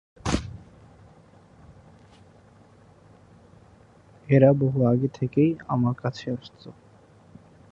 এরা বহু আগে থেকেই আমার কাছে আসতো।